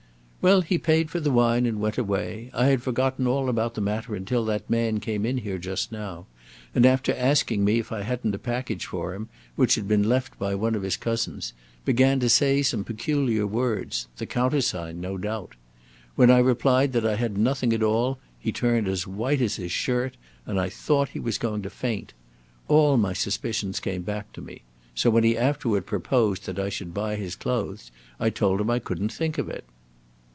"Well, he paid for the wine and went away. I had forgotten all about the matter until that man came in here just now, and after asking me if I hadn't a package for him, which had been left by one of his cousins, began to say some peculiar words the countersign, no doubt. When I replied that I had nothing at all he turned as white as his shirt; and I thought he was going to faint. All my suspicions came back to me. So when he afterward proposed that I should buy his clothes, I told him I couldn't think of it."